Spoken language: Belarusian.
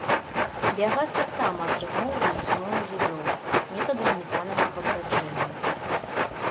Біягаз таксама атрымоўваюць з гною жывёл метадам метанавага браджэння.